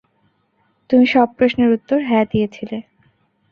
তুমি সব প্রশ্নের উত্তর হ্যাঁ দিয়েছিলে।